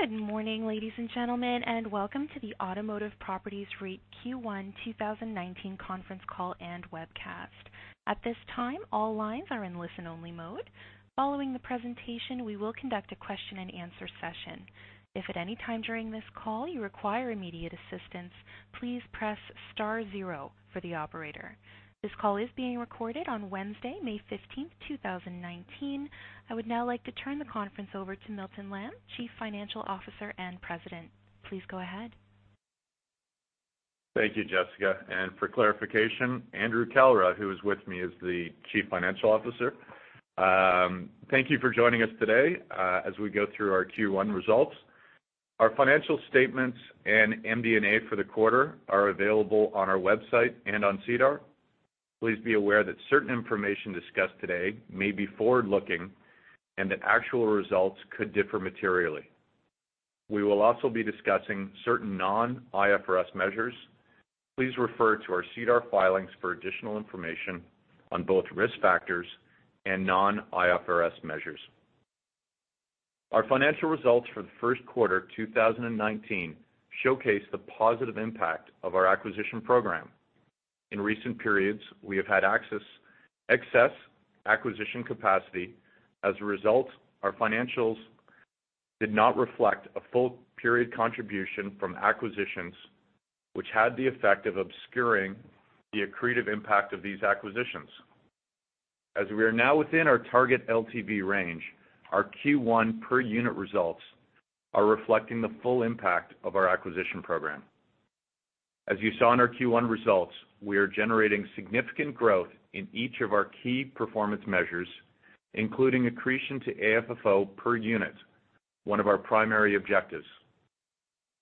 Good morning, ladies and gentlemen, welcome to the Automotive Properties REIT Q1 2019 conference call and webcast. At this time, all lines are in listen-only mode. Following the presentation, we will conduct a question and answer session. If at any time during this call you require immediate assistance, please press star zero for the operator. This call is being recorded on Wednesday, May 15th, 2019. I would now like to turn the conference over to Milton Lamb, Chief Financial Officer and President. Please go ahead. Thank you, Jessica. For clarification, Andrew Kalra, who is with me, is the Chief Financial Officer. Thank you for joining us today as we go through our Q1 results. Our financial statements and MD&A for the quarter are available on our website and on SEDAR. Please be aware that certain information discussed today may be forward-looking and that actual results could differ materially. We will also be discussing certain non-IFRS measures. Please refer to our SEDAR filings for additional information on both risk factors and non-IFRS measures. Our financial results for the first quarter 2019 showcase the positive impact of our acquisition program. In recent periods, we have had excess acquisition capacity. As a result, our financials did not reflect a full-period contribution from acquisitions, which had the effect of obscuring the accretive impact of these acquisitions. As we are now within our target LTV range, our Q1 per unit results are reflecting the full impact of our acquisition program. As you saw in our Q1 results, we are generating significant growth in each of our key performance measures, including accretion to AFFO per unit, one of our primary objectives.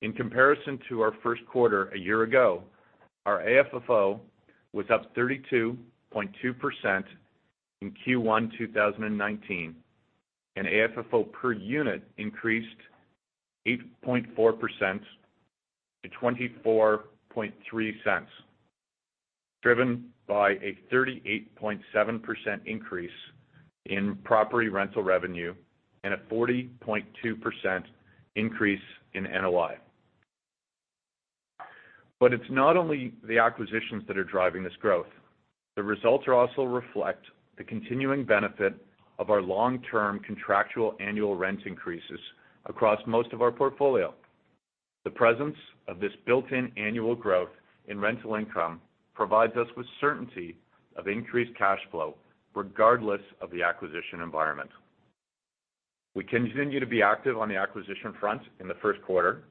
In comparison to our first quarter a year ago, our AFFO was up 32.2% in Q1 2019, AFFO per unit increased 8.4% to CAD 0.243, driven by a 38.7% increase in property rental revenue and a 40.2% increase in NOI. It's not only the acquisitions that are driving this growth. The results also reflect the continuing benefit of our long-term contractual annual rent increases across most of our portfolio. The presence of this built-in annual growth in rental income provides us with certainty of increased cash flow regardless of the acquisition environment. We continued to be active on the acquisition front in the first quarter.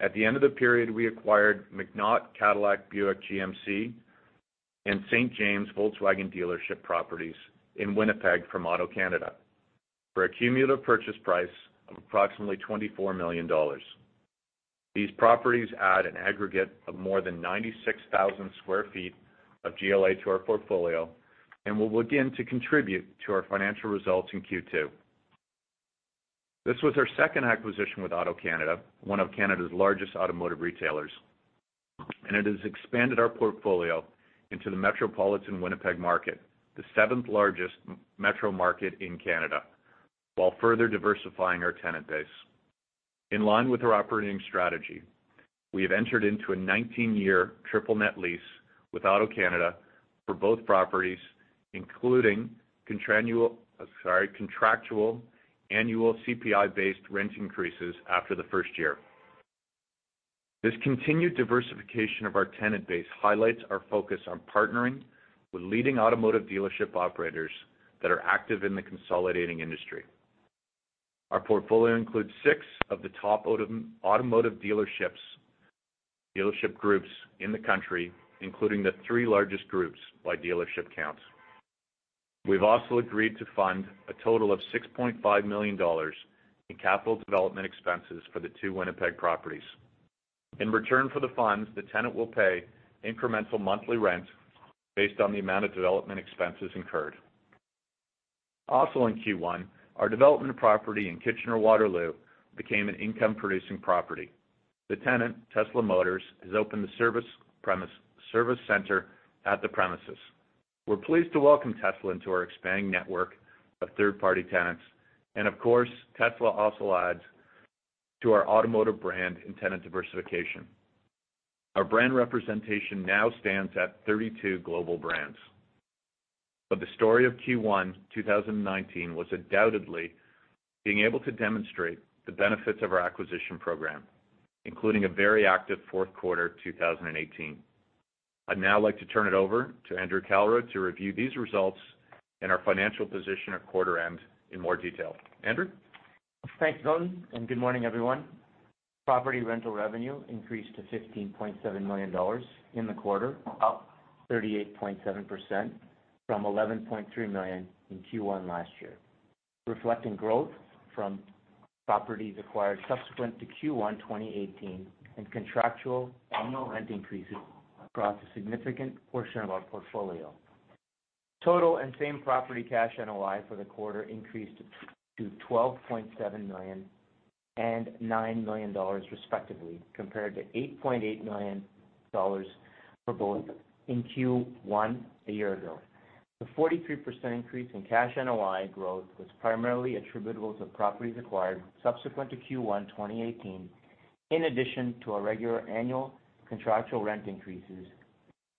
At the end of the period, we acquired McNaught Cadillac Buick GMC and St. James Volkswagen dealership properties in Winnipeg from AutoCanada for a cumulative purchase price of approximately 24 million dollars. These properties add an aggregate of more than 96,000 sq ft of GLA to our portfolio and will begin to contribute to our financial results in Q2. This was our second acquisition with AutoCanada, one of Canada's largest automotive retailers, and it has expanded our portfolio into the metropolitan Winnipeg market, the seventh largest metro market in Canada, while further diversifying our tenant base. In line with our operating strategy, we have entered into a 19-year triple-net lease with AutoCanada for both properties, including contractual annual CPI-based rent increases after the first year. This continued diversification of our tenant base highlights our focus on partnering with leading automotive dealership operators that are active in the consolidating industry. Our portfolio includes six of the top automotive dealership groups in the country, including the three largest groups by dealership count. We have also agreed to fund a total of 6.5 million dollars in capital development expenses for the two Winnipeg properties. In return for the funds, the tenant will pay incremental monthly rent based on the amount of development expenses incurred. Also in Q1, our development property in Kitchener-Waterloo became an income-producing property. The tenant, Tesla Motors, has opened the service center at the premises. We are pleased to welcome Tesla into our expanding network of third-party tenants, and of course, Tesla also adds to our automotive brand and tenant diversification. Our brand representation now stands at 32 global brands. The story of Q1 2019 was undoubtedly being able to demonstrate the benefits of our acquisition program, including a very active fourth quarter 2018. I would now like to turn it over to Andrew Kalra to review these results and our financial position at quarter end in more detail. Andrew? Thanks, Milton, and good morning, everyone. Property rental revenue increased to 15.7 million dollars in the quarter, up 38.7% from 11.3 million in Q1 last year, reflecting growth from properties acquired subsequent to Q1 2018 and contractual annual rent increases across a significant portion of our portfolio. Total and same property cash NOI for the quarter increased to 12.7 million and 9 million dollars respectively, compared to 8.8 million dollars for both in Q1 a year ago. The 43% increase in cash NOI growth was primarily attributable to properties acquired subsequent to Q1 2018, in addition to our regular annual contractual rent increases.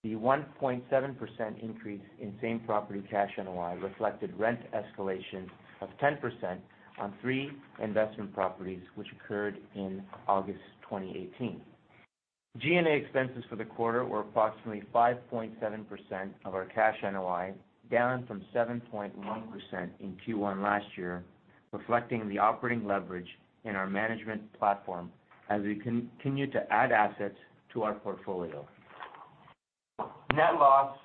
The 1.7% increase in same property cash NOI reflected rent escalation of 10% on three investment properties, which occurred in August 2018. G&A expenses for the quarter were approximately 5.7% of our cash NOI, down from 7.1% in Q1 last year, reflecting the operating leverage in our management platform as we continue to add assets to our portfolio. Net loss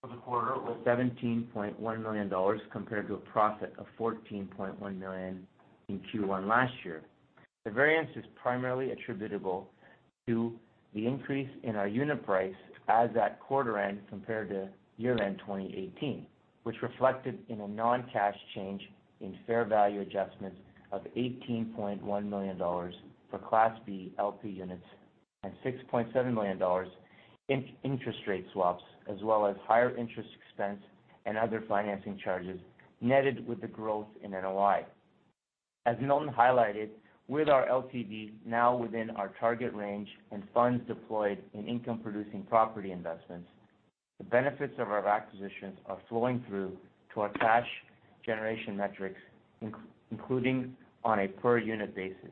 for the quarter was 17.1 million dollars compared to a profit of 14.1 million in Q1 last year. The variance is primarily attributable to the increase in our unit price as at quarter end compared to year-end 2018, which reflected in a non-cash change in fair value adjustments of 18.1 million dollars for Class B LP units and 6.7 million dollars in interest rate swaps, as well as higher interest expense and other financing charges, netted with the growth in NOI. As Milton highlighted, with our LTV now within our target range and funds deployed in income-producing property investments, the benefits of our acquisitions are flowing through to our cash generation metrics, including on a per-unit basis.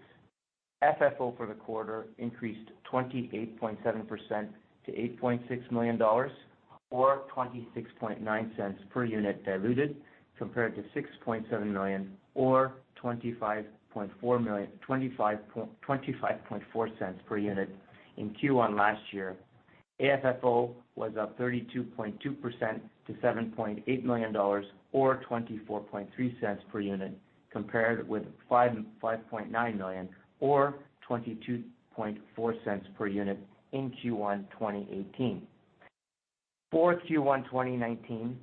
FFO for the quarter increased 28.7% to 8.6 million dollars, or 0.269 per unit diluted, compared to 6.7 million or 0.254 per unit in Q1 last year. AFFO was up 32.2% to 7.8 million dollars, or 0.243 per unit, compared with 5.9 million or 0.224 per unit in Q1 2018. For Q1 2019,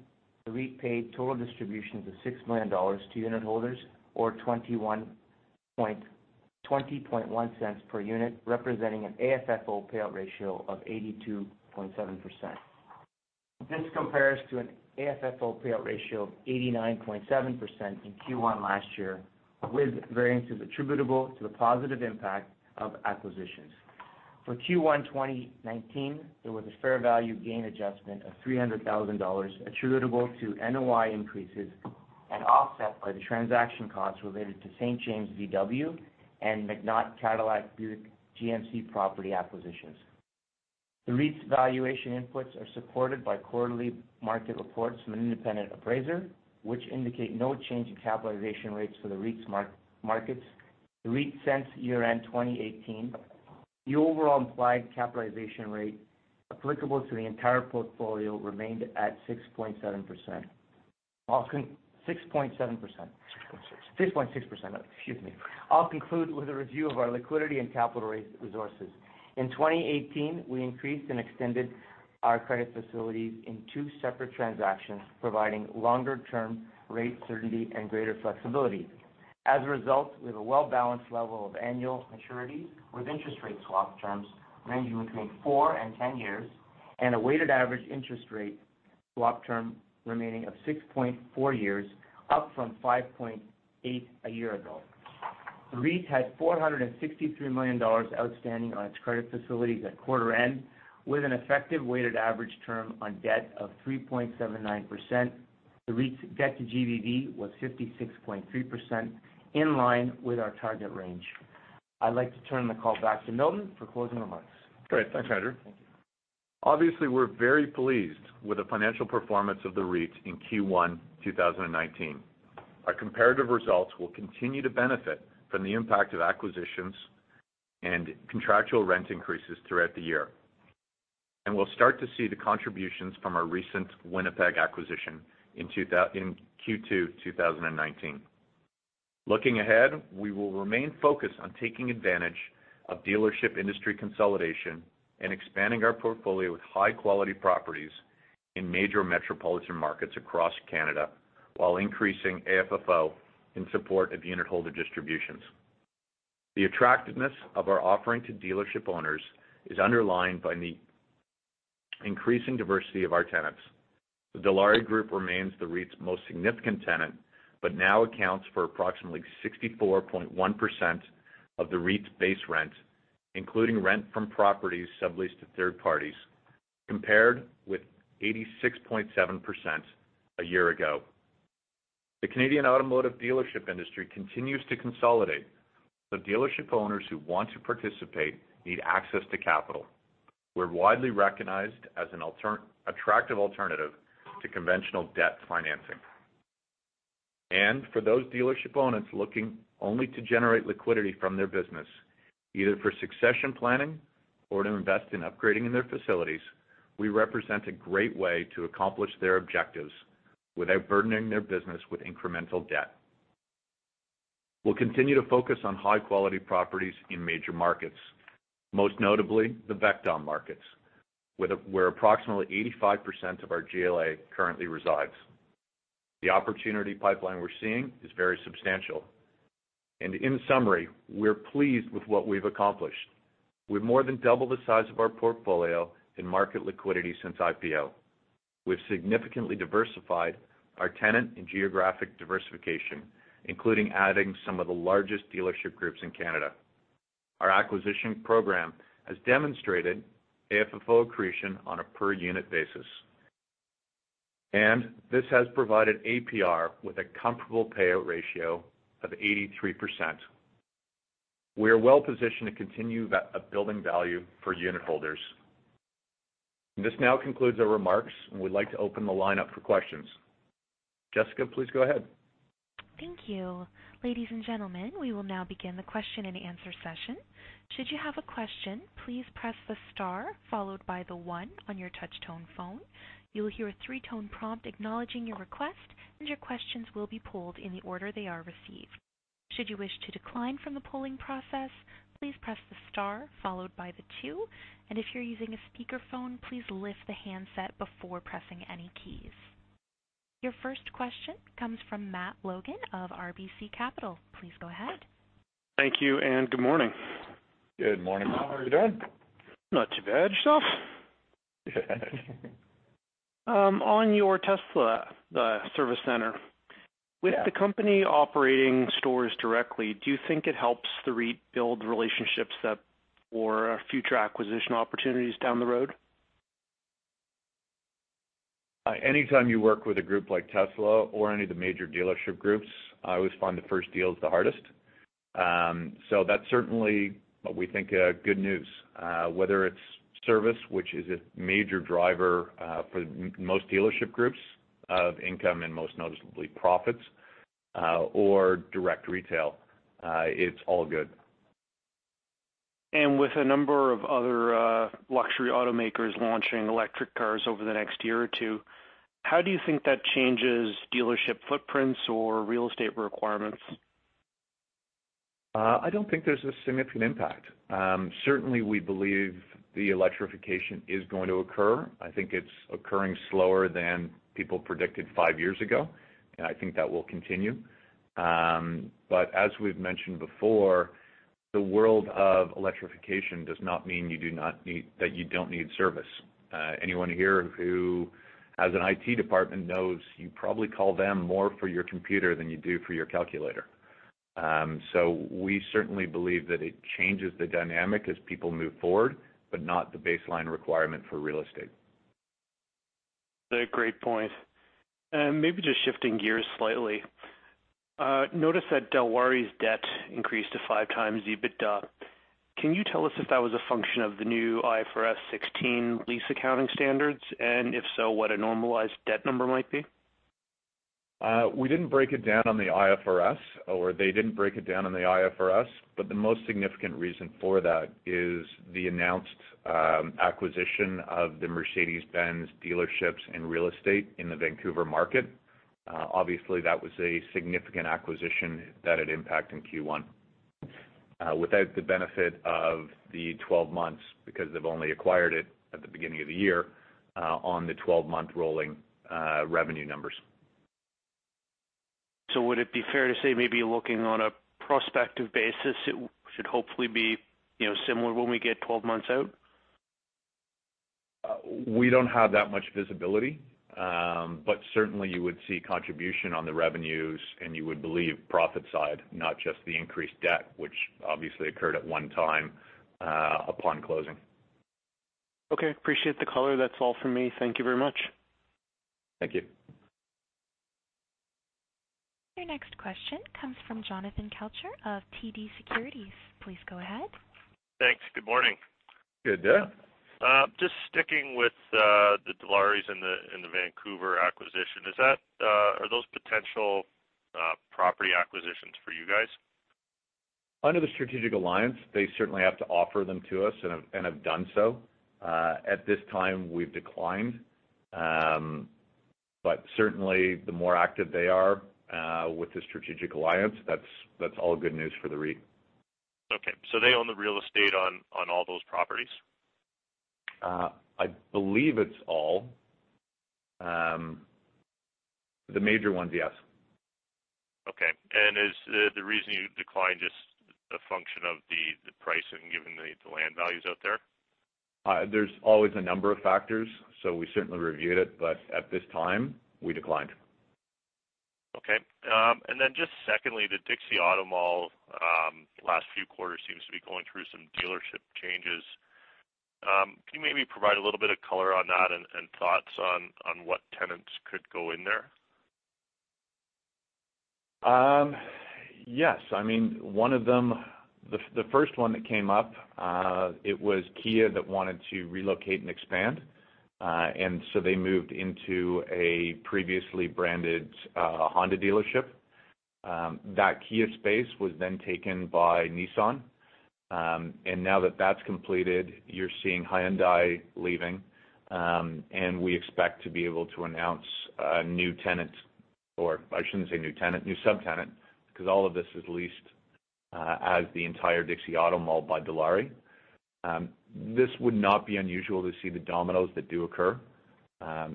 the REIT paid total distributions of 6 million dollars to unitholders or 0.201 per unit, representing an AFFO payout ratio of 82.7%. This compares to an AFFO payout ratio of 89.7% in Q1 last year, with variances attributable to the positive impact of acquisitions. For Q1 2019, there was a fair value gain adjustment of 300,000 dollars attributable to NOI increases and offset by the transaction costs related to St. James VW and McNaught Cadillac Buick GMC property acquisitions. The REIT's valuation inputs are supported by quarterly market reports from an independent appraiser, which indicate no change in capitalization rates for the REIT's markets since year-end 2018. The overall implied capitalization rate applicable to the entire portfolio remained at 6.7%. 6.6%. Excuse me. I'll conclude with a review of our liquidity and capital resources. In 2018, we increased and extended our credit facilities in two separate transactions, providing longer-term rate certainty and greater flexibility. As a result, we have a well-balanced level of annual maturities with interest rate swap terms ranging between four and 10 years, and a weighted average interest rate swap term remaining of 6.4 years, up from 5.8 a year ago. The REIT had 463 million dollars outstanding on its credit facilities at quarter end, with an effective weighted average term on debt of 3.79%. The REIT's debt-to-GDV was 56.3%, in line with our target range. I'd like to turn the call back to Milton for closing remarks. Great. Thanks, Andrew. Thank you. Obviously, we're very pleased with the financial performance of the REIT in Q1 2019. Our comparative results will continue to benefit from the impact of acquisitions and contractual rent increases throughout the year. We'll start to see the contributions from our recent Winnipeg acquisition in Q2 2019. Looking ahead, we will remain focused on taking advantage of dealership industry consolidation and expanding our portfolio with high-quality properties in major metropolitan markets across Canada while increasing AFFO in support of unitholder distributions. The attractiveness of our offering to dealership owners is underlined by the increasing diversity of our tenants. The Dilawri Group remains the REIT's most significant tenant, but now accounts for approximately 64.1% of the REIT's base rent, including rent from properties subleased to third parties, compared with 86.7% a year ago. The Canadian automotive dealership industry continues to consolidate, dealership owners who want to participate need access to capital. We're widely recognized as an attractive alternative to conventional debt financing. For those dealership owners looking only to generate liquidity from their business, either for succession planning or to invest in upgrading their facilities, we represent a great way to accomplish their objectives without burdening their business with incremental debt. We'll continue to focus on high-quality properties in major markets, most notably the VECTOM markets, where approximately 85% of our GLA currently resides. The opportunity pipeline we're seeing is very substantial. In summary, we're pleased with what we've accomplished. We've more than doubled the size of our portfolio in market liquidity since IPO. We've significantly diversified our tenant and geographic diversification, including adding some of the largest dealership groups in Canada. Our acquisition program has demonstrated AFFO accretion on a per-unit basis, and this has provided APR with a comfortable payout ratio of 83%. We are well-positioned to continue building value for unitholders. This now concludes our remarks, and we'd like to open the line up for questions. Jessica, please go ahead. Thank you. Ladies and gentlemen, we will now begin the question and answer session. Should you have a question, please press the star followed by the one on your touchtone phone. You will hear a three-tone prompt acknowledging your request, and your questions will be pooled in the order they are received. Should you wish to decline from the polling process, please press the star followed by the two, and if you're using a speakerphone, please lift the handset before pressing any keys. Your first question comes from Matt Logan of RBC Capital. Please go ahead. Thank you, good morning. Good morning, Matt. How are you doing? Not too bad. Yourself? Good. On your Tesla Service Center. Yeah With the company operating stores directly, do you think it helps the REIT build relationships for future acquisition opportunities down the road? Anytime you work with a group like Tesla or any of the major dealership groups, I always find the first deal is the hardest. That's certainly what we think good news, whether it's service, which is a major driver for most dealership groups of income, and most noticeably, profits, or direct retail. It's all good. With a number of other luxury automakers launching electric cars over the next year or two, how do you think that changes dealership footprints or real estate requirements? I don't think there's a significant impact. Certainly, we believe the electrification is going to occur. I think it's occurring slower than people predicted five years ago, and I think that will continue. As we've mentioned before, the world of electrification does not mean that you don't need service. Anyone here who has an IT department knows you probably call them more for your computer than you do for your calculator. We certainly believe that it changes the dynamic as people move forward, but not the baseline requirement for real estate. That's a great point. Maybe just shifting gears slightly. Noticed that Dilawri's debt increased to five times EBITDA. Can you tell us if that was a function of the new IFRS 16 lease accounting standards? If so, what a normalized debt number might be? We didn't break it down on the IFRS, or they didn't break it down on the IFRS, but the most significant reason for that is the announced acquisition of the Mercedes-Benz dealerships and real estate in the Vancouver market. Obviously, that was a significant acquisition that had impact in Q1. Without the benefit of the 12 months, because they've only acquired it at the beginning of the year, on the 12-month rolling revenue numbers. Would it be fair to say maybe looking on a prospective basis, it should hopefully be similar when we get 12 months out? We don't have that much visibility. Certainly, you would see contribution on the revenues, and you would believe profit side, not just the increased debt, which obviously occurred at one time upon closing. Okay. Appreciate the color. That's all from me. Thank you very much. Thank you. Your next question comes from Jonathan Kelcher of TD Securities. Please go ahead. Thanks. Good morning. Good day. Just sticking with the Dilawri's and the Vancouver acquisition. Are those potential property acquisitions for you guys? Under the strategic alliance, they certainly have to offer them to us and have done so. At this time, we've declined. Certainly, the more active they are with the strategic alliance, that's all good news for the REIT. Okay. They own the real estate on all those properties? I believe it's all. The major ones, yes. Okay. Is the reason you declined just a function of the price and given the land values out there? There's always a number of factors. We certainly reviewed it, but at this time, we declined. Okay. Just secondly, the Dixie Auto Mall last few quarters seems to be going through some dealership changes. Can you maybe provide a little bit of color on that and thoughts on what tenants could go in there? Yes. The first one that came up, it was Kia that wanted to relocate and expand. They moved into a previously branded Honda dealership. That Kia space was then taken by Nissan. Now that that's completed, you're seeing Hyundai leaving. We expect to be able to announce a new tenant, or I shouldn't say new tenant, new subtenant, because all of this is leased as the entire Dixie Auto Mall by Dilawri. This would not be unusual to see the dominoes that do occur.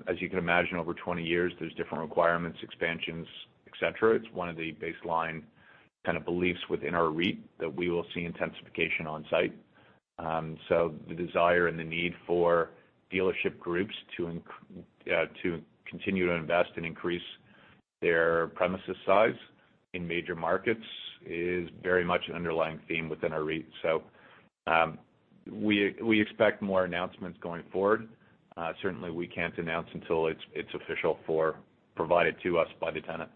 As you can imagine, over 20 years, there's different requirements, expansions, et cetera. It's one of the baseline kind of beliefs within our REIT that we will see intensification on site. The desire and the need for dealership groups to continue to invest and increase their premises size in major markets is very much an underlying theme within our REIT. We expect more announcements going forward. Certainly, we can't announce until it's official for provided to us by the tenant.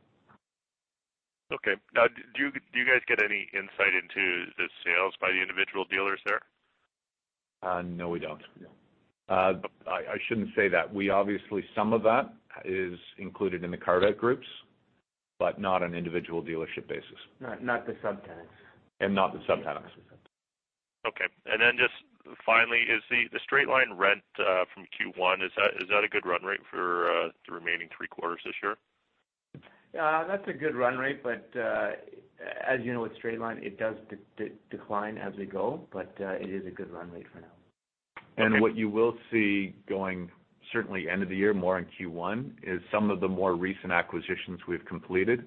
Okay. Do you guys get any insight into the sales by the individual dealers there? No, we don't. No. I shouldn't say that. Obviously, some of that is included in the Dilawri groups, but not on individual dealership basis. Not the subtenants. Not the subtenants. Okay. Then just finally, is the straight line rent, from Q1, is that a good run rate for the remaining three quarters this year? That's a good run rate, as you know, with straight line, it does decline as we go, it is a good run rate for now. What you will see going, certainly end of the year, more in Q1, is some of the more recent acquisitions we've completed,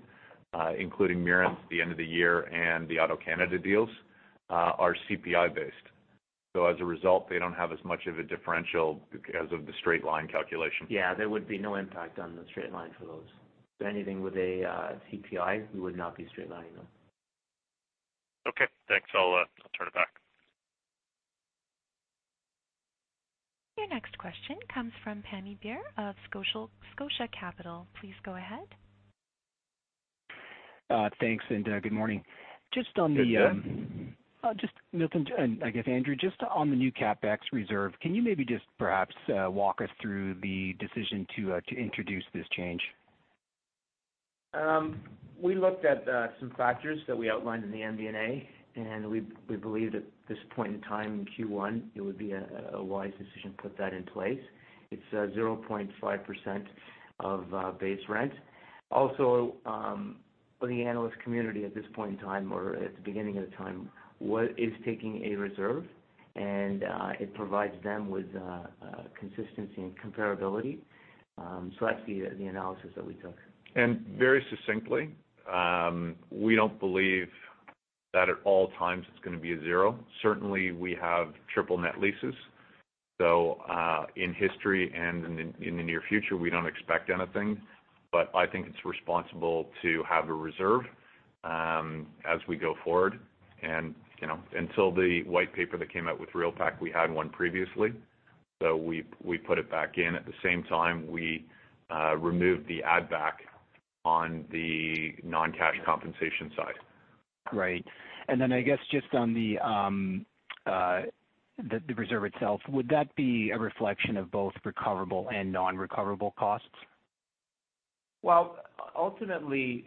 including Mierens at the end of the year and the AutoCanada deals, are CPI based. As a result, they don't have as much of a differential as of the straight line calculation. Yeah, there would be no impact on the straight line for those. Anything with a CPI, we would not be straight lining them. Okay, thanks. I'll turn it back. Your next question comes from Pammi Bir of Scotia Capital. Please go ahead. Thanks, good morning. Good day. Milton and I guess, Andrew, just on the new CapEx reserve, can you maybe just perhaps walk us through the decision to introduce this change? We looked at some factors that we outlined in the MD&A, we believed at this point in time in Q1, it would be a wise decision to put that in place. It is 0.5% of base rent. Also, for the analyst community at this point in time or at the beginning of the time, what is taking a reserve, it provides them with consistency and comparability. That is the analysis that we took. Very succinctly, we do not believe that at all times it is going to be a zero. Certainly, we have triple-net leases. In history and in the near future, we do not expect anything. I think it is responsible to have a reserve, as we go forward. Until the white paper that came out with REALPAC, we had one previously. We put it back in at the same time we removed the add back on the non-cash compensation side. Right. Then I guess just on the reserve itself, would that be a reflection of both recoverable and non-recoverable costs? Well, ultimately,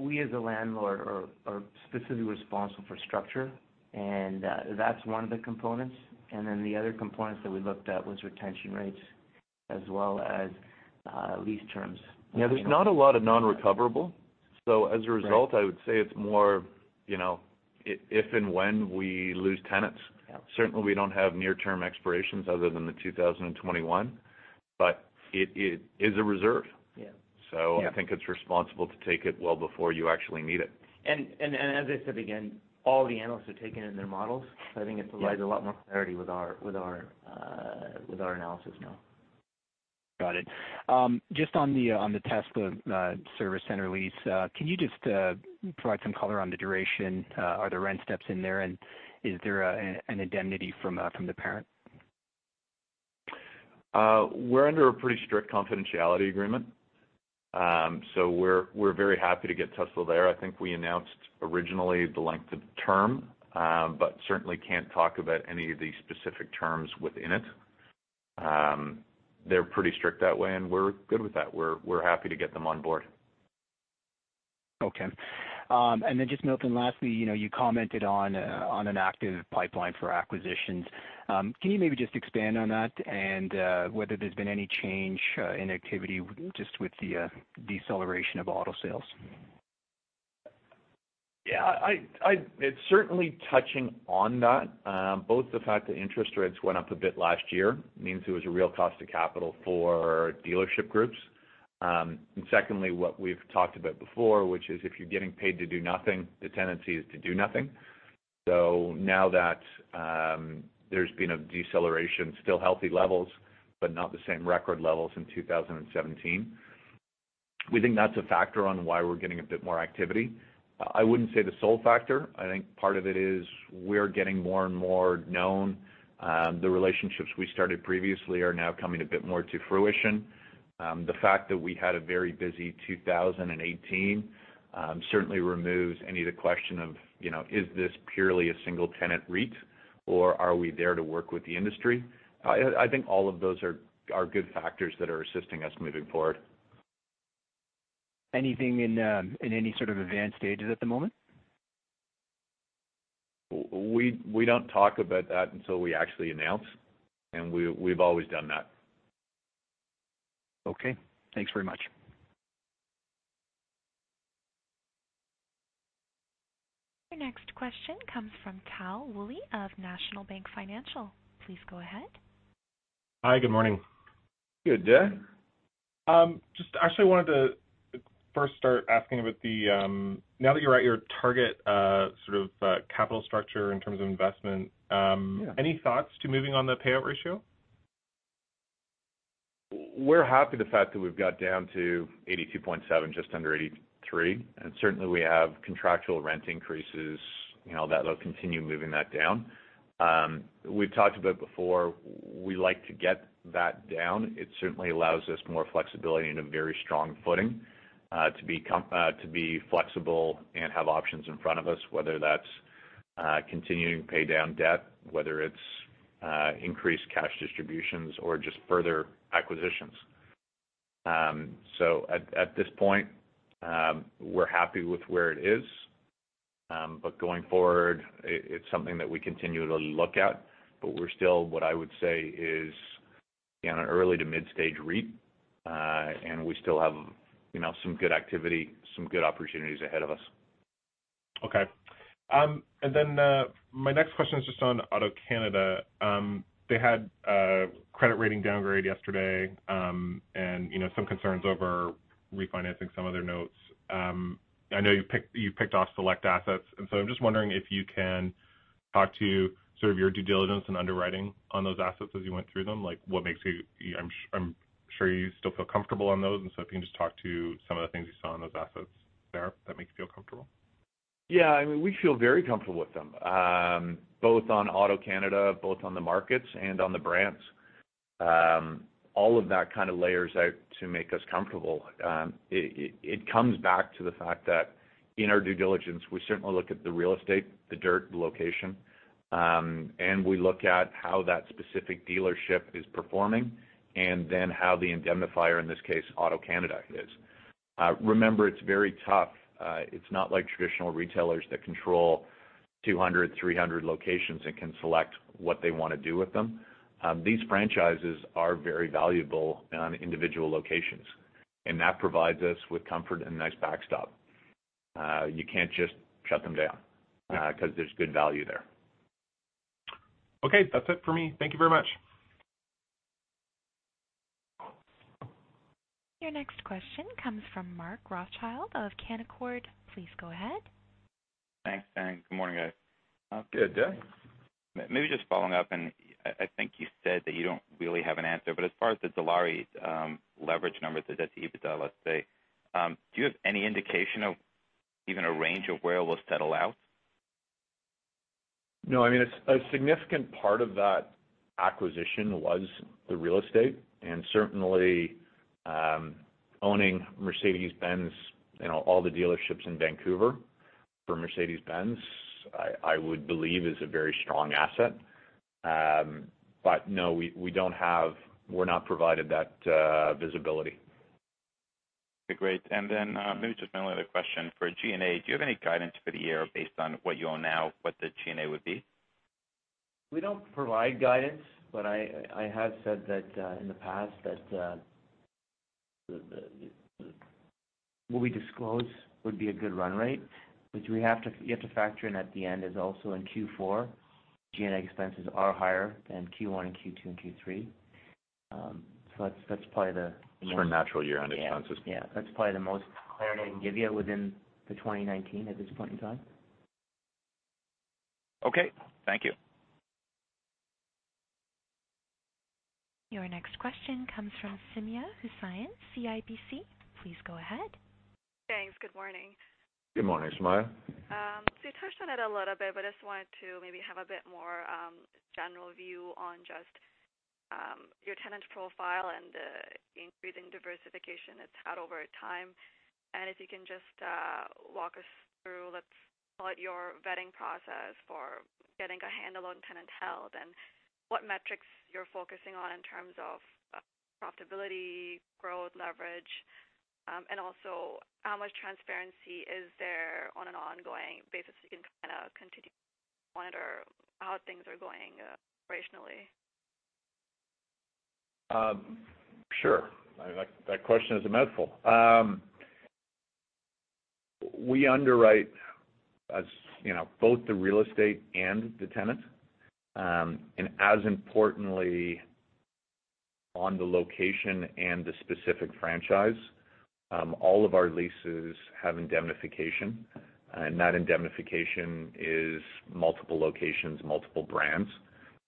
we as a landlord are specifically responsible for structure, and that's one of the components. The other components that we looked at was retention rates as well as lease terms. Yeah, there's not a lot of non-recoverable. As a result. Right I would say it's more if and when we lose tenants. Yeah. Certainly, we don't have near-term expirations other than the 2021. It is a reserve. Yeah. I think it's responsible to take it well before you actually need it. As I said again, all the analysts have taken it in their models. I think it. Yeah A lot more clarity with our analysis now. Got it. Just on the Tesla service center lease, can you just provide some color on the duration? Are there rent steps in there, and is there an indemnity from the parent? We're under a pretty strict confidentiality agreement. We're very happy to get Tesla there. We announced originally the length of term, certainly can't talk about any of the specific terms within it. They're pretty strict that way, we're good with that. We're happy to get them on board. Milton, lastly, you commented on an active pipeline for acquisitions. Can you maybe just expand on that whether there's been any change in activity just with the deceleration of auto sales? It's certainly touching on that. Both the fact that interest rates went up a bit last year means it was a real cost of capital for dealership groups. Secondly, what we've talked about before, which is if you're getting paid to do nothing, the tendency is to do nothing. Now that there's been a deceleration, still healthy levels, not the same record levels in 2017, we think that's a factor on why we're getting a bit more activity. I wouldn't say the sole factor. Part of it is we're getting more and more known. The relationships we started previously are now coming a bit more to fruition. The fact that we had a very busy 2018, certainly removes any of the question of, is this purely a single-tenant REIT, or are we there to work with the industry? All of those are good factors that are assisting us moving forward. Anything in any sort of advanced stages at the moment? We don't talk about that until we actually announce, and we've always done that. Okay. Thanks very much. Your next question comes from Tal Woolley of National Bank Financial. Please go ahead. Hi, good morning. Good day. Just actually wanted to first start asking about the now that you're at your target sort of capital structure in terms of investment. Yeah. Any thoughts to moving on the payout ratio? We're happy the fact that we've got down to 82.7, just under 83. Certainly, we have contractual rent increases that'll continue moving that down. We've talked about before, we like to get that down. It certainly allows us more flexibility and a very strong footing, to be flexible and have options in front of us, whether that's continuing to pay down debt, whether it's increased cash distributions or just further acquisitions. At this point, we're happy with where it is. Going forward, it's something that we continually look at. We're still, what I would say is, on an early to mid-stage REIT. We still have some good activity, some good opportunities ahead of us. Okay. My next question is just on AutoCanada. They had a credit rating downgrade yesterday. Some concerns over refinancing some of their notes. I know you picked off select assets, so I'm just wondering if you can talk to sort of your due diligence and underwriting on those assets as you went through them. I'm sure you still feel comfortable on those, so if you can just talk to some of the things you saw on those assets there that make you feel comfortable. Yeah, we feel very comfortable with them, both on AutoCanada, both on the markets, on the brands. All of that kind of layers out to make us comfortable. It comes back to the fact that in our due diligence, we certainly look at the real estate, the dirt, the location. We look at how that specific dealership is performing, then how the indemnifier, in this case, AutoCanada, is. Remember, it's very tough. It's not like traditional retailers that control 200, 300 locations and can select what they want to do with them. These franchises are very valuable on individual locations. That provides us with comfort and a nice backstop. You can't just shut them down- Right because there's good value there. Okay. That's it for me. Thank you very much. Your next question comes from Mark Rothschild of Canaccord. Please go ahead. Thanks. Good morning, guys. Good day. Maybe just following up, and I think you said that you don't really have an answer, but as far as the Dilawri leverage numbers, the debt-to-EBITDA, let's say, do you have any indication of even a range of where it will settle out? No. A significant part of that acquisition was the real estate, and certainly, owning Mercedes-Benz, all the dealerships in Vancouver for Mercedes-Benz, I would believe is a very strong asset. No, we're not provided that visibility. Okay, great. Maybe just my only other question. For G&A, do you have any guidance for the year based on what you own now, what the G&A would be? We don't provide guidance, but I have said that in the past that what we disclose would be a good run rate. You have to factor in at the end is also in Q4, G&A expenses are higher than Q1 and Q2 and Q3. That's probably the most. It's your natural year-end expenses. Yeah. That's probably the most clarity I can give you within the 2019 at this point in time. Okay. Thank you. Your next question comes from Sumayya Hussain, CIBC. Please go ahead. Thanks. Good morning. Good morning, Sumayya. You touched on it a little bit, but I just wanted to maybe have a bit more general view on just your tenant profile and the increasing diversification it's had over time. If you can just walk us through, let's call it your vetting process for getting a handle on tenant health, and what metrics you're focusing on in terms of profitability, growth, leverage. Also, how much transparency is there on an ongoing basis so you can kind of continually monitor how things are going operationally? Sure. That question is a mouthful. We underwrite both the real estate and the tenant, and as importantly, on the location and the specific franchise. All of our leases have indemnification, and that indemnification is multiple locations, multiple brands.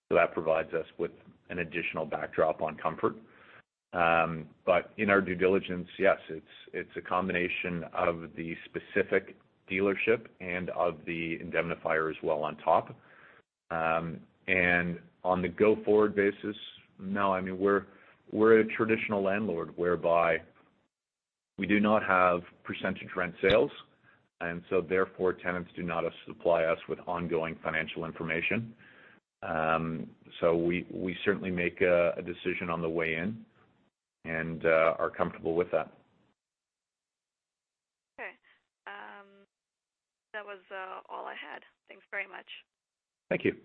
That provides us with an additional backdrop on comfort. In our due diligence, yes, it's a combination of the specific dealership and of the indemnifier as well on top. On the go-forward basis, no. We're a traditional landlord whereby we do not have percentage rent sales, and so therefore tenants do not supply us with ongoing financial information. We certainly make a decision on the way in and are comfortable with that. Okay. That was all I had. Thanks very much. Thank you.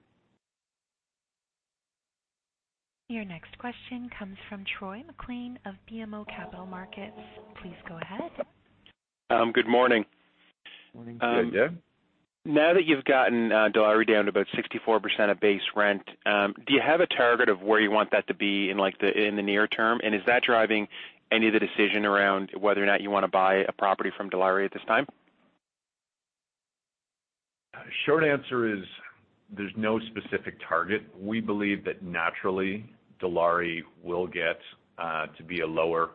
Your next question comes from Troy MacLean of BMO Capital Markets. Please go ahead. Good morning. Morning. Good day. Now that you've gotten Dilawri down to about 64% of base rent, do you have a target of where you want that to be in the near term? Is that driving any of the decision around whether or not you want to buy a property from Dilawri at this time? Short answer is there's no specific target. We believe that naturally, Dilawri will get to be a lower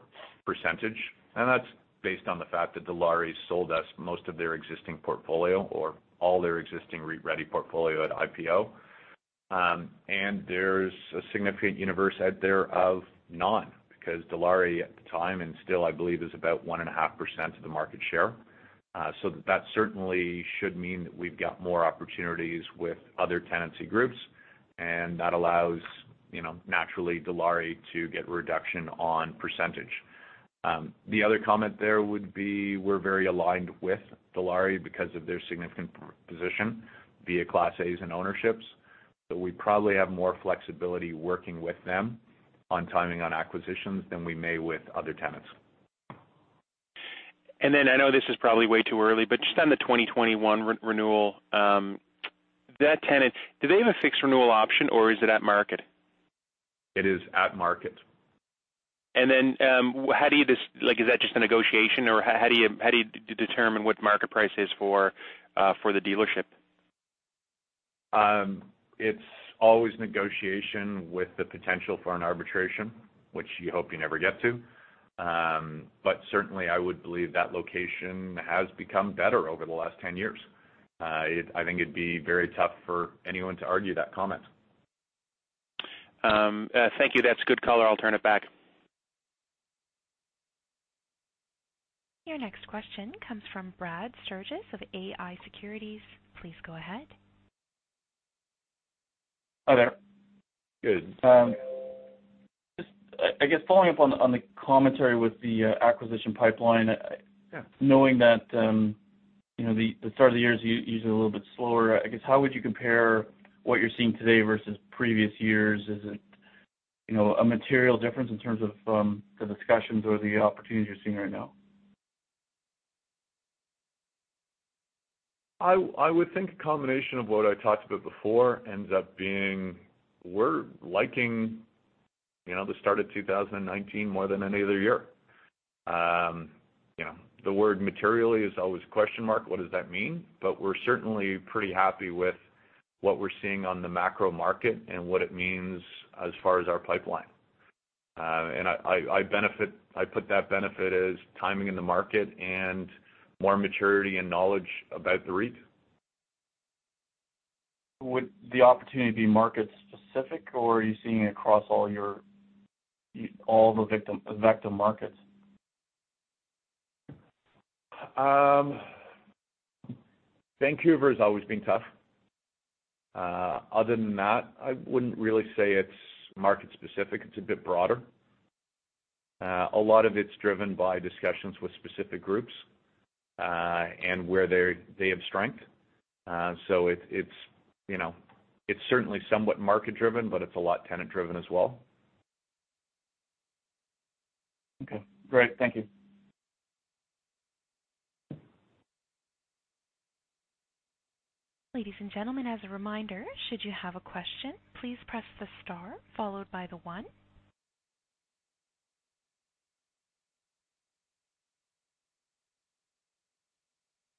percentage, and that's based on the fact that Dilawri sold us most of their existing portfolio or all their existing REIT ready portfolio at IPO. There's a significant universe out there of none, because Dilawri at the time, and still, I believe, is about 1.5% of the market share. That certainly should mean that we've got more opportunities with other tenancy groups, and that allows naturally Dilawri to get reduction on percentage. The other comment there would be, we're very aligned with Dilawri because of their significant position via Class As and ownerships. We probably have more flexibility working with them on timing on acquisitions than we may with other tenants. I know this is probably way too early, but just on the 2021 renewal, that tenant, do they have a fixed renewal option or is it at market? It is at market. Is that just a negotiation or how do you determine what the market price is for the dealership? It's always negotiation with the potential for an arbitration, which you hope you never get to. Certainly, I would believe that location has become better over the last 10 years. I think it'd be very tough for anyone to argue that comment. Thank you. That's a good color. I'll turn it back. Your next question comes from Brad Sturges of iA Securities. Please go ahead. Hi there. Good. I guess following up on the commentary with the acquisition pipeline. Yeah knowing that the start of the year is usually a little bit slower, I guess, how would you compare what you're seeing today versus previous years? Is it a material difference in terms of the discussions or the opportunities you're seeing right now? I would think a combination of what I talked about before ends up being, we're liking the start of 2019 more than any other year. The word materially is always a question mark. What does that mean? We're certainly pretty happy with what we're seeing on the macro market and what it means as far as our pipeline. I put that benefit as timing in the market and more maturity and knowledge about the REIT. Would the opportunity be market-specific or are you seeing it across all the VECTA markets? Vancouver's always been tough. Other than that, I wouldn't really say it's market-specific. It's a bit broader. A lot of it's driven by discussions with specific groups, and where they have strength. It's certainly somewhat market-driven, but it's a lot tenant-driven as well. Okay, great. Thank you. Ladies and gentlemen, as a reminder, should you have a question, please press the star followed by the one.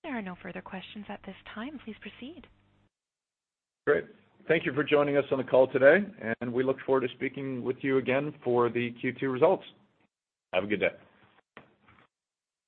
There are no further questions at this time. Please proceed. Great. Thank you for joining us on the call today. We look forward to speaking with you again for the Q2 results. Have a good day.